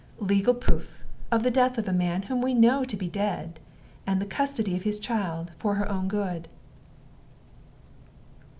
Legal proof of the death of a man whom we know to be dead, and the custody of his child, for her own good."